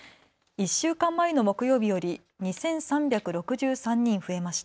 １週間前の木曜日より２３６３人増えました。